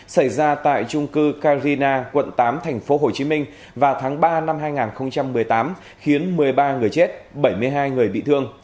xảy ra tại trung cư carina quận tám tp hcm vào tháng ba năm hai nghìn một mươi tám khiến một mươi ba người chết bảy mươi hai người bị thương